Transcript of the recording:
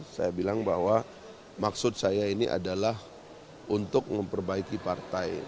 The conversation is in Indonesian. saya bilang bahwa maksud saya ini adalah untuk memperbaiki partai